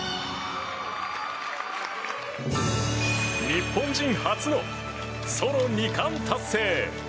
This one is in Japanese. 日本人初のソロ２冠達成！